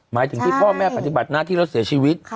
หมายถึงที่พ่อแม่กระธิบัตรน่าที่เราเสียชีวิต